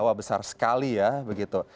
wah besar sekali ya begitu